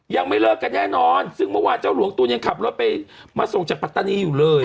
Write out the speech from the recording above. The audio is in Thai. ยังไม่เลิกกันแน่นอนซึ่งเมื่อวานเจ้าหลวงตูนยังขับรถไปมาส่งจากปัตตานีอยู่เลย